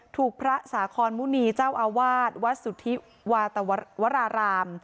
ถูกพระสาคอนมุณีเจ้าอาวาสวัดสุธิวาตวราราม